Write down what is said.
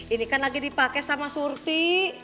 ini kan lagi dipake sama surti